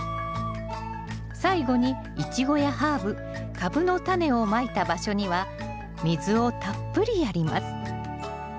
最後にイチゴやハーブカブのタネをまいた場所には水をたっぷりやります。